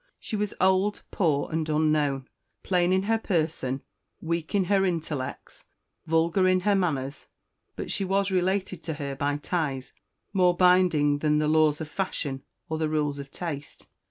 She was old, poor, and unknown, plain in her person, weak in her intellects, vulgar in her manners; but she was related to her by ties more binding than the laws of fashion or the rules of taste.